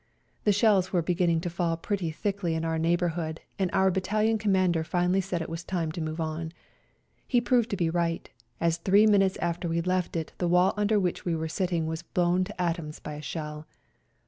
The shells were beginning to fall pretty thickly in our neighboiu hood, and our Battalion Commander finally said it was time to move on. He proved to be right, as three minutes after we left it the wall under which we were sitting was blow^n to atoms by a shell.